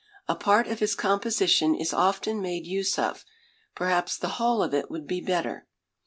A part of his composition is often made use of perhaps the whole of it would be better.